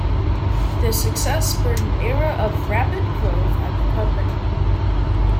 Their success spurred an era of rapid growth at the company.